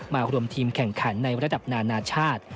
รวมทีมแข่งขันในระดับนานาชาติ